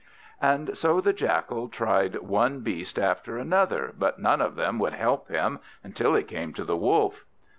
And so the Jackal tried one beast after another, but none of them would help him, until he came to the Wolf.